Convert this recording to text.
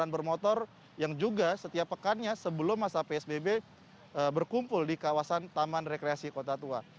bermotor yang juga setiap pekannya sebelum masa psbb berkumpul di kawasan taman rekreasi kota tua